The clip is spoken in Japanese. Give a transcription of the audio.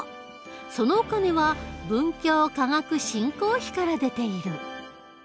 そのお金は文教科学振興費から出ている。